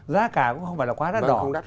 giá cả cũng không phải là quá đắt đỏ